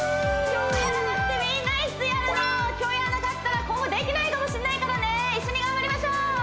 今日やらなくてみんないつやるの今日やらなかったら今後できないかもしれないからね一緒に頑張りましょう！